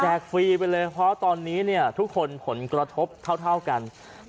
ฟรีไปเลยเพราะตอนนี้เนี่ยทุกคนผลกระทบเท่ากัน